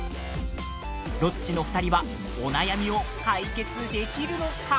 ロッチの２人はお悩みを解決できるのか。